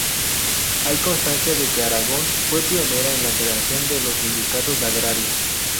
Hay constancia de que Aragón fue pionera en la creación de los sindicatos agrarios.